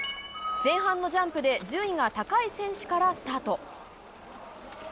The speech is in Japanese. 前半のジャンプで、順位が高い選手からスタート。